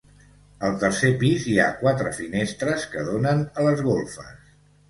Al tercer pis hi ha quatre finestres que donen a les golfes.